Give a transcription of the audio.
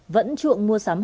vẫn truộng mua sản phẩm